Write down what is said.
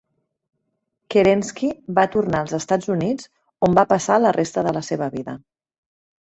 Kerensky va tornar als Estats Units, on va passar la resta de la seva vida.